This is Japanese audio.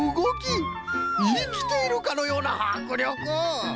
いきているかのようなはくりょく！